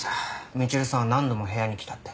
みちるさんは何度も部屋に来たって。